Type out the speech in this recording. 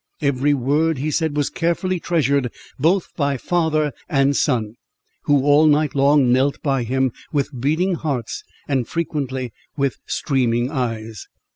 Every word he said was carefully treasured, both by father and son, who all night long knelt by him, with beating hearts, and frequently with streaming eyes.